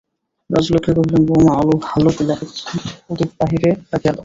রাজলক্ষ্মী কহিলেন, বউমা, আলো ভালো লাগিতেছে না, প্রদীপ বাহিরে রাখিয়া দাও।